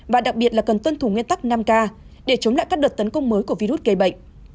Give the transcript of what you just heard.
và đặc biệt là cần tuân thủ nguyên tắc năm k để chống lại các đợt tấn công mới của virus gây bệnh